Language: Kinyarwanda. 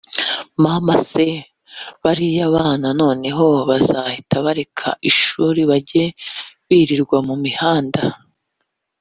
Mama se bariya bana noneho bazahita bareka ishuri bajye birirwa mu mihanda